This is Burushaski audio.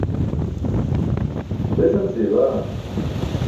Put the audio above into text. Besan seybaa?